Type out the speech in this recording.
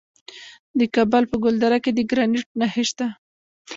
د کابل په ګلدره کې د ګرانیټ نښې شته.